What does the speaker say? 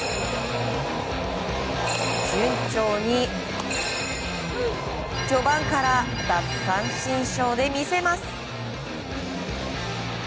順調に序盤から奪三振ショーで見せます。